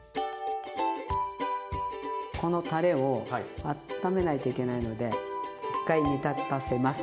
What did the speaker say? このたれをあっためないといけないので一回煮立たせます。